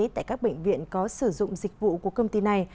tại các bệnh viện có sử dụng dịch vụ của công ty này